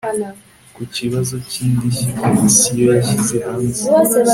ku kibazo cy indishyi komisiyo yashyize hanze